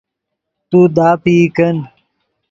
تو داپئی کن